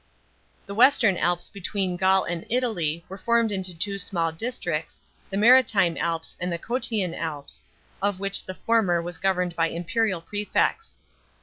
The western Alps b3twcen Gaul end Italy were formed into two small districts, the Maritime Alps, and the Cottian Alps, of which the former was governed by imperial prefects.